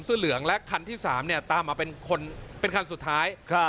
เหลืองและคันที่๓เนี่ยตามมาเป็นคนเป็นคันสุดท้าย